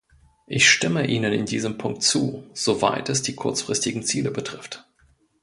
Ich stimme Ihnen in diesem Punkt zu, soweit es die kurzfristigen Ziele betrifft.